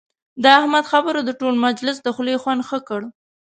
د احمد خبرو د ټول مجلس د خولې خوند ښه کړ.